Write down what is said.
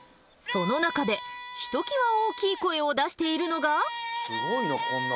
その中でひときわ大きい声を出しているのが。